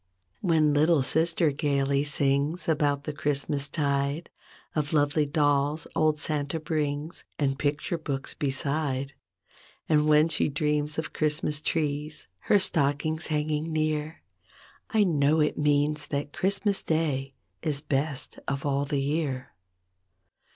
22 When little sister gaily sings About the Christmas tide, Of lovely dolls old Santa brings And picture books beside, And when she dreams of Christmas trees. Her stockings hanging near, I know it means that Christmas day Is best of all the year.